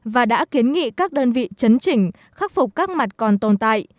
và đã kiến nghị các đơn vị chấn chỉnh khắc phục các mặt còn tồn tại